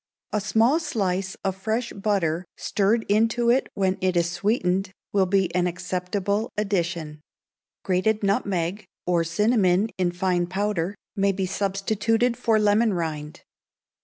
A small slice of fresh butter stirred into it when it is sweetened will be an acceptable addition; grated nutmeg, or cinnamon in fine powder, may be substituted for lemon rind.